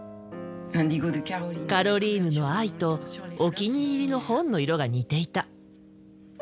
カロリーヌの藍とお気に入りの本の色が似ていた。